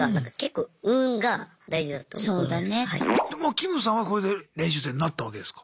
キムさんはこれで練習生になったわけですか。